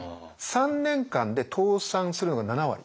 ３年間で倒産するのが７割。